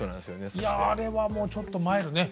いやあれはもうちょっと参るね。